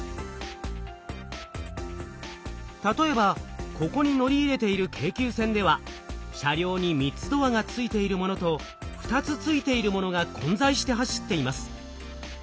例えばここに乗り入れている京急線では車両に３つドアがついているものと２つついているものが混在して走っています。